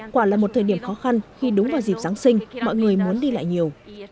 quả là một thời điểm khó khăn khi đúng vào dịp giáng sinh mọi người muốn đi lại nhiều